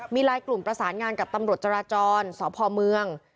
มีลายกลุ่มประสานงานกับตำรวจจราจรสพเมือง